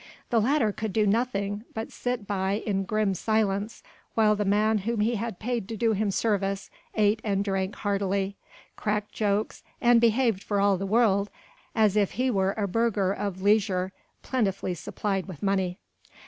The latter could do nothing but sit by in grim silence while the man whom he had paid to do him service ate and drank heartily, cracked jokes and behaved for all the world as if he were a burgher of leisure plentifully supplied with money.